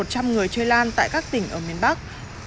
đã được đảo hơn một trăm linh người chơi lan tại các tỉnh ở miền bắc